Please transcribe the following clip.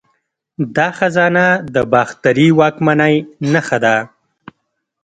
دا خزانه د باختري واکمنۍ نښه ده